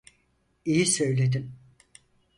İyi söyledin.